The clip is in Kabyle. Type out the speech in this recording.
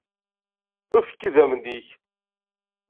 Efk-idammen-ik.